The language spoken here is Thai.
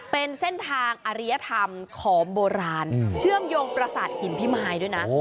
เป็นเส้นทางอริยธรรมของโบราณเชื่อมโยงประสาทหินพิมายด้วยนะ